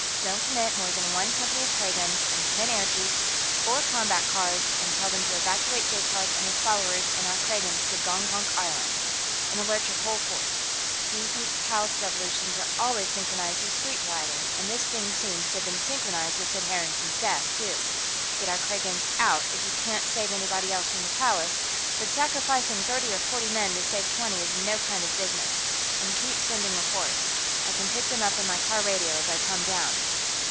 Don't commit more than one company of Kragans and ten airjeeps and four combat cars, and tell them to evacuate Jaikark and his followers and our Kragans to Gongonk Island. And alert your whole force. These geek palace revolutions are always synchronized with street rioting, and this thing seems to have been synchronized with Sid Harrington's death, too. Get our Kragans out if you can't save anybody else from the Palace, but sacrificing thirty or forty men to save twenty is no kind of business. And keep sending reports; I can pick them up on my car radio as I come down."